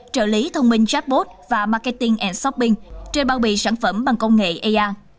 trợ lý thông minh chatbot và marketing shopping trên bao bì sản phẩm bằng công nghệ ai